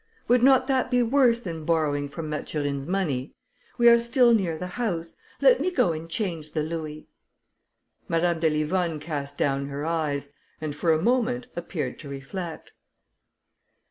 Would not that be worse than borrowing from Mathurine's money? We are still near the house; let me go and change the louis." Madame de Livonne cast down her eyes, and for a moment appeared to reflect.